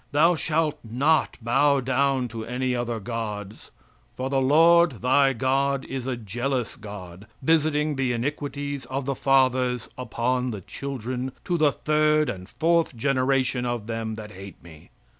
Thou shalt not bow down to any other gods, for the Lord thy God is a jealous God, visiting the iniquities of the fathers upon the children to the third an fourth generation of them that hate Me."